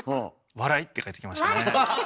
「笑」って返ってきましたね。